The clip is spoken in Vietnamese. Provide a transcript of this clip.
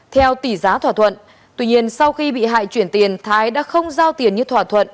theo tỷ giá thỏa thuận tuy nhiên sau khi bị hại chuyển tiền thái đã không giao tiền như thỏa thuận